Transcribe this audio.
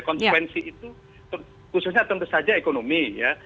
konsekuensi itu khususnya tentu saja ekonomi ya